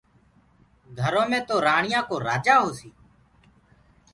گھرو مي تو رآڻيآ ڪو رآجآ هوسي